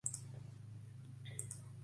Fue bachiller en sagrados cánones.